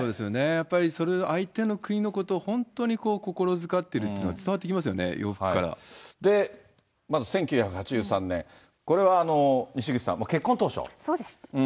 やっぱりそれ、相手の国のことを本当に心づかってるっていうことが伝わってきま１９８３年、これはにしぐちそうです。